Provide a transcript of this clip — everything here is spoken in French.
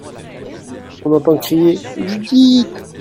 On entend crier : Judith !